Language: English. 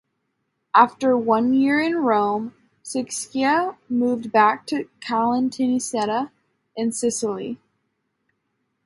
After one year in Rome, Sciascia moved back to Caltanissetta, in Sicily.